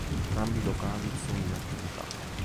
Entrambi i locali sono in attività.